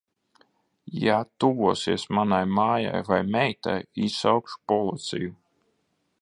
Ja tuvosies manai mājai vai meitai, izsaukšu policiju.